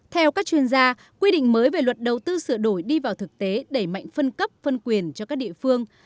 theo các chuyên gia quy định mới về luật đầu tư sửa đổi đi vào thực tế đẩy mạnh phân cấp phân quyền cho các địa phương